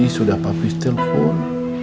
sudah papis telpon